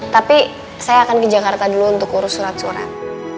tapi saya akan ke jakarta dulu untuk urus surat surat